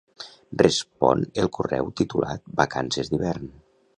Respon el correu titulat "vacances d'hivern".